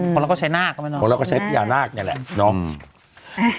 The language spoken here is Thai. คนแล้วก็ใช้นาคก็ใช้นาคเนี่ยแหละเนาะ